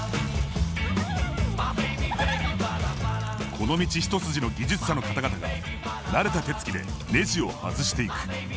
この道一筋の技術者の方々が慣れた手つきでネジを外していく。